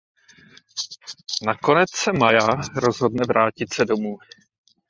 Nakonec se Maya rozhodne vrátit se domů.